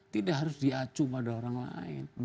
tidak harus diacu pada orang lain